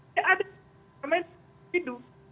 ya ada yang pidananya individu